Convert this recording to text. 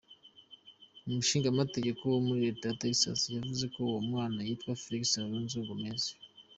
Umushingamateka wo muri leta ya Texas yavuze ko uwo mwana yitwa Felipe Alonzo-Gomez.